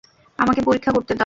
আমাকে পরীক্ষা করতে দাও।